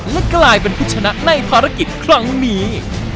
และกลายเป็นพิธภัณฑ์ในภารกิจคล่องหมี